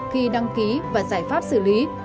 khi đăng ký và giải pháp xử lý